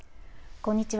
こんにちは。